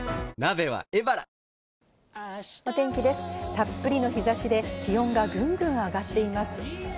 たっぷりの日差しで気温がぐんぐん上がっています。